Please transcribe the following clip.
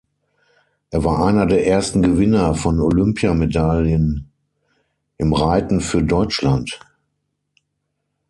Er war einer der ersten Gewinner von Olympiamedaillen im Reiten für Deutschland.